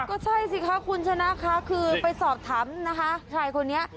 ก็ใช่สิคะคุณชนะค่ะคือไปสอบถามนะคะชายคนนี้